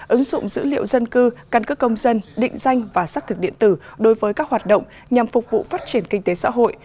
ứng dụng dữ liệu dân cư căn cước công dân định danh và xác thực điện tử đối với các hoạt động nhằm phục vụ phát triển kinh tế xã hội